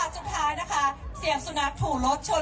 สุดท้ายนะคะเสียงสุนัขถูกรถชน